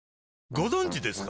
ご存知ですか？